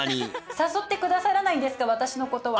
誘って下さらないんですか私のことは。